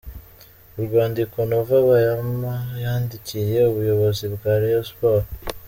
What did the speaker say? Urwandiko Nova Bayama yandikiye ubuyobozi bwa Rayon Sports.